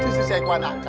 seseorang yang kawan angka